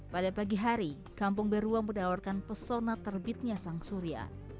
pada pagi hari kampung beruah mendawarkan pesona terbitnya sang suria